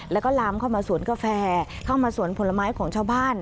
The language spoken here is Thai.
แล้วก็ลามเข้ามาสวนกาแฟเข้ามาสวนผลไม้ของชาวบ้าน